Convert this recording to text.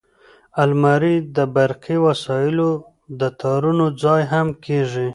الماري د برقي وسایلو د تارونو ځای هم کېږي